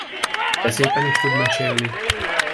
De szépen is tud mesélni!